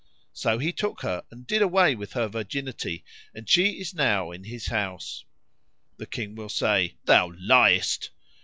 So he took her and did away with her virginity and she is now in his house.' The King will say, 'Thou liest!'